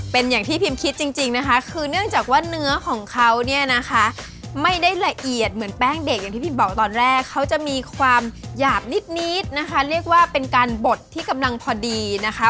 เป็นอย่างที่พิมคิดจริงนะคะคือเนื่องจากว่าเนื้อของเขาเนี่ยนะคะไม่ได้ละเอียดเหมือนแป้งเด็กอย่างที่พิมบอกตอนแรกเขาจะมีความหยาบนิดนะคะเรียกว่าเป็นการบดที่กำลังพอดีนะคะ